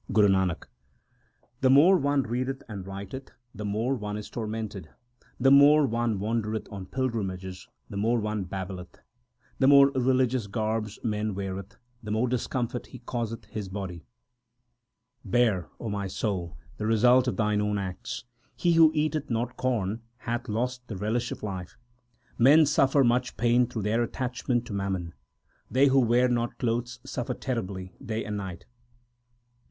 Guru Nanak The more one readeth and writeth, the more is one tor mented ; The more one wandereth on pilgrimages, the more one babbleth ; The more religious garbs man weareth, the more dis comfort he causeth his body. 230 THE SIKH RELIGION Bear, O my soul, the result of thine own acts. He who eateth not corn 1 hath lost the relish of life. Men suffer much pain through their attachment to mammon. They who wear not clothes suffer terribly day and night.